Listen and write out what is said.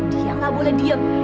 dia nggak boleh diam diam